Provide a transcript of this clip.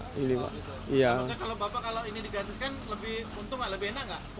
kalau bapak ini digratiskan lebih untung lebih enak nggak